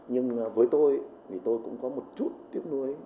nhưng với tôi thì tôi cũng có một chút tiếc nuối